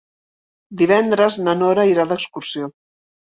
Divendres na Nora irà d'excursió.